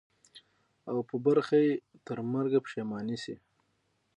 او په برخه یې ترمرګه پښېماني سي